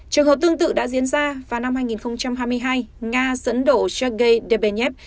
trường hợp tương tự đã diễn ra vào năm hai nghìn hai mươi hai nga dẫn độ sergei dephev